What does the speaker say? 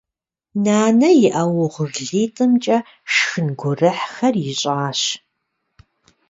Нанэ и Ӏэ угъурлитӀымкӀэ шхын гурыхьхэр ищӀащ.